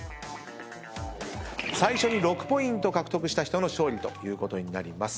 最初に６ポイント獲得した人の勝利ということになります。